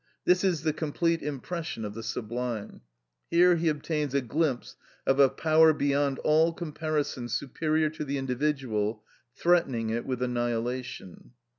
This is the complete impression of the sublime. Here he obtains a glimpse of a power beyond all comparison superior to the individual, threatening it with annihilation.